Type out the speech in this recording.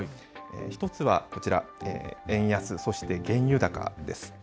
一つはこちら、円安、そして原油高です。